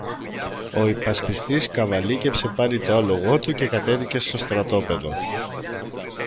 Ο υπασπιστής καβαλίκεψε πάλι το άλογο του και κατέβηκε στο στρατόπεδο.